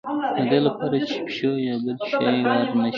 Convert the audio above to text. د دې لپاره چې پیشو یا بل شی ور نه شي.